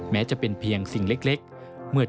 แม้จะเป็นเพียงสิ่งเล็ก